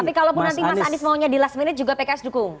tapi kalaupun nanti mas anies maunya di last minute juga pks dukung